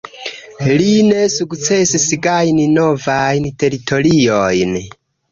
Li ne sukcesis gajni novajn teritoriojn.